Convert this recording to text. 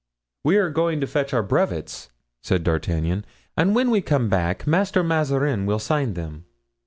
"We are going to fetch our brevets," said D'Artagnan, "and when we come back, Master Mazarin will sign them."